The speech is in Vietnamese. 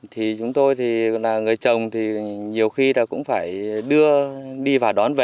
thì chúng tôi là người chồng nhiều khi cũng phải đưa đi và đón về